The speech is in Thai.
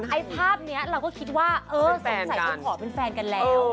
ไอ้ภาพนี้เราก็คิดว่าเออสงสัยต้องขอเป็นแฟนกันแล้ว